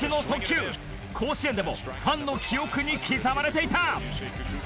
甲子園でもファンの記憶に刻まれていた。